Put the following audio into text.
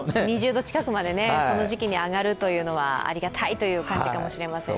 ２０度近くまでこの時期に上がるというのはありがたいという感じかもしれません。